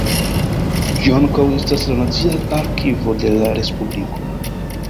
Ĝi ankaŭ estas la nacia arkivo de la respubliko.